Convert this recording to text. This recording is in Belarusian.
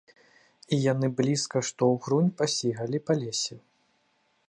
І яны блізка што ўгрунь пасігалі па лесе.